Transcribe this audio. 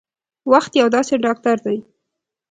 وخت یو داسې ډاکټر دی